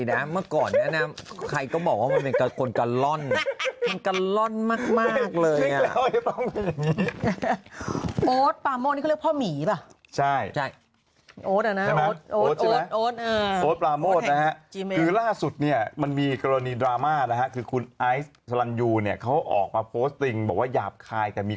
เดี๋ยวฉันเก็บเรื่องเชียวไว้ก่อนเอาโอ๊ตตอนนี้ทำไมทำไมทำไม